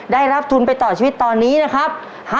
ได้รับทุนไปต่อชีวิตตอนนี้นะครับ